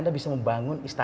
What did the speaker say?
medan ini di tengah hutan